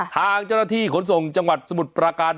ทางเจ้าหน้าที่ขนส่งจังหวัดสมุทรประการ